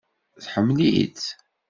Tḥemmel-itt?